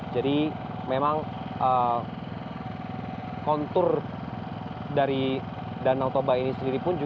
jadi memang kontur dari danau toba ini sendiri pun